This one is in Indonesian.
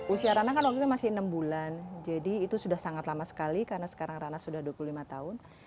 usia ranah kan waktu itu masih enam bulan jadi itu sudah sangat lama sekali karena sekarang rana sudah dua puluh lima tahun